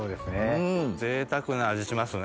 ぜいたくな味しますね。